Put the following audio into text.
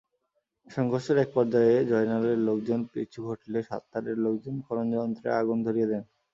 সংঘর্ষের একপর্যায়ে জয়নালের লোকজন পিছু হটলে সাত্তারের লোকজন খননযন্ত্রে আগুন ধরিয়ে দেন।